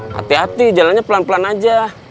hati hati jalannya pelan pelan aja